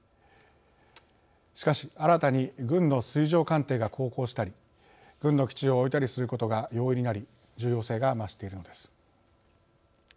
しかし新たに軍の水上艦艇が航行したり軍の基地を置いたりすることが容易になり重要性が増しているのです。